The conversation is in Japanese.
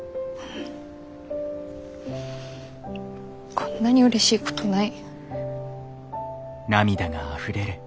こんなにうれしいことない。